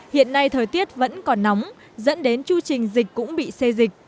hiện nay thời tiết vẫn còn nóng dẫn đến chưu trình dịch cũng bị xê dịch